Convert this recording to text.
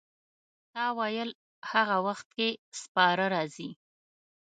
تا ویل هغه وخت کې سپاره راځي.